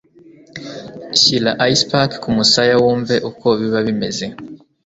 Shira icepack kumusaya humve uko biba bimeze.